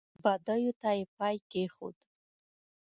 بدیو ته یې پای کېښود.